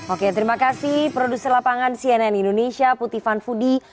oke terima kasih produser lapangan cnn indonesia puti fanfudi